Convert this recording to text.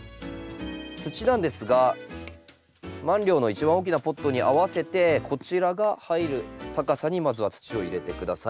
土なんですがマンリョウの一番大きなポットに合わせてこちらが入る高さにまずは土を入れて下さい。